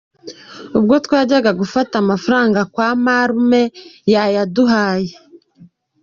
Ubwo twajyaga gufata amafaranga kwamarumpe yayaduhaye.